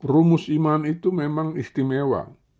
rumus iman itu memang istimewa